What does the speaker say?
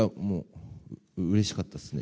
うれしかったですね。